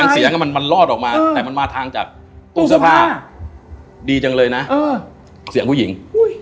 เสียงมันรอดออกมาแต่มันมาทางจากตู้เสื้อผ้าดีจังเลยนะเสียงผู้หญิง